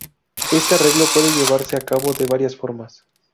Este arreglo puede llevarse a cabo de varias formas.